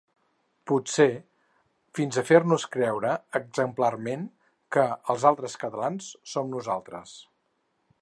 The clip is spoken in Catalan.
Potser fins a fer-nos creure, exemplarment, que ‘els altres catalans’ som nosaltres.